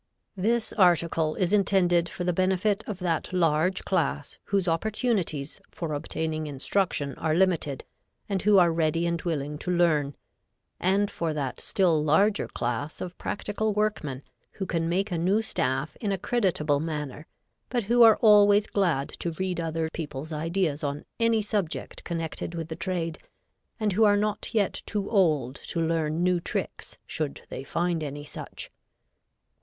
This article is intended for the benefit of that large class whose opportunities for obtaining instruction are limited, and who are ready and willing to learn, and for that still larger class of practical workmen who can make a new staff in a creditable manner, but who are always glad to read others people's ideas on any subject connected with the trade and who are not yet too old to learn new tricks should they find any such.